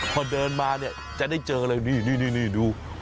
พอเดินมาจะได้เจออะไรนี่ดู